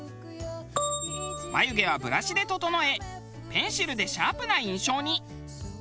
眉毛はブラシで整えペンシルでシャープな印象に。